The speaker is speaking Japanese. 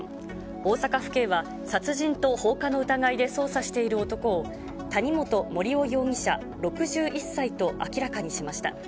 大阪府警は殺人と放火の疑いで捜査している男を、谷本盛雄容疑者６１歳と明らかにしました。